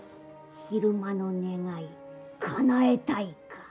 昼間の願いかなえたいか？